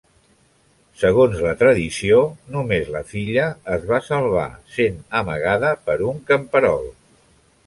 Segons la tradició, només la filla es va salvar sent amagada per un camperol.